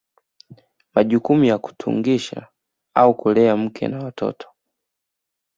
Majukumu ya kutungisha au kulea mke na watoto